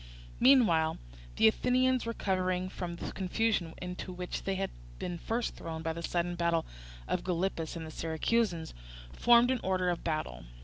Meanwhile the Athenians, recovering from the confusion into which they had been first thrown by the sudden approach of Gylippus and the Syracusans, formed in order of battle.